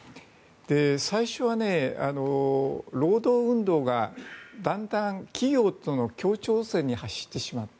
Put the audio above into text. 最初は、労働運動がだんだん企業との協調路線に走ってしまった。